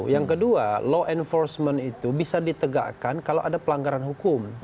yang kedua law enforcement itu bisa ditegakkan kalau ada pelanggaran hukum